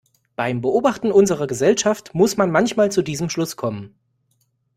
Beim Beobachten unserer Gesellschaft muss man manchmal zu diesem Schluss kommen.